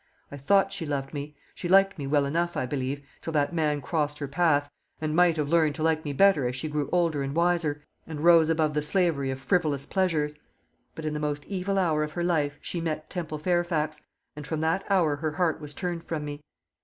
I thought she loved me. She liked me well enough, I believe, till that man crossed her path, and might have learnt to like me better as she grew older and wiser, and rose above the slavery of frivolous pleasures. But, in the most evil hour of her life, she met Temple Fairfax, and from that hour her heart was turned from me.